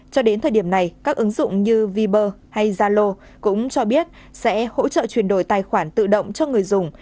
cho đến thời điểm này các ứng dụng như viber hay zalo cũng cho biết sẽ hỗ trợ chuyển đổi tài khoản tự động cho người dùng